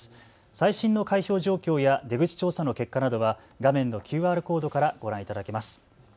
最新の開票状況や出口調査の結果などは画面のＱＲコードからご覧いただけます。